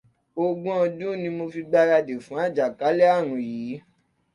Ogún ọdún ni mo fi gbáradì fún àjàkálẹ̀ ààrùn yìí.